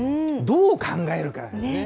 どう考えるかですね。